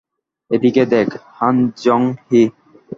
এদিকে দেখ, হান জং-হি।